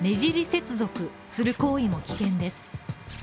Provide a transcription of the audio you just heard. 接続する行為も危険です。